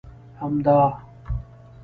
همدا!